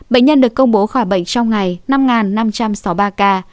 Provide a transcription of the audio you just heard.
bệnh nhân được công bố khỏi bệnh trong ngày năm năm trăm sáu mươi ba ca